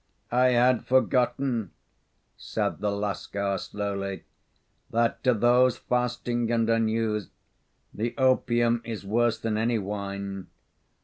"I had forgotten," said the Lascar, slowly, "that to those fasting and unused, the opium is worse than any wine.